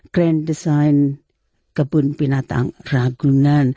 grand design kebun binatang ragunan